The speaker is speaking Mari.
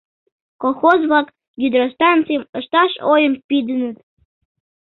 Колхоз-влак гидростанцийым ышташ ойым пидыныт...